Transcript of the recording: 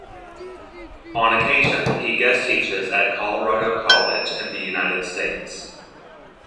On occasion, he guest-teaches at Colorado College in the United States.